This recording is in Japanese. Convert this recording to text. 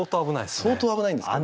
相当危ないんですけど。